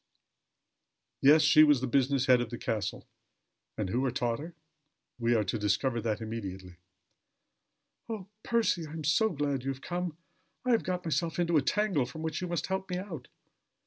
Yes, she was the business head of the castle. And who had taught her? We are to discover that immediately. "Oh, Percy! I am glad you have come. I have got myself into a tangle from which you must help me out."